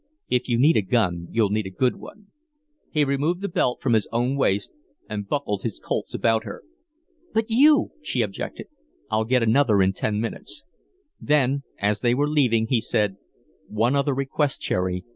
"If you need a gun you'll need a good one." He removed the belt from his own waist and buckled his Colts about her. "But you!" she objected. "I'll get another in ten minutes." Then, as they were leaving, he said: "One other request, Cherry.